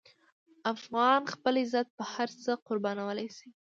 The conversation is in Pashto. افغان خپل عزت په هر څه قربانولی شي.